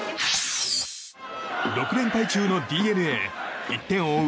６連敗中のＤｅＮＡ１点を追う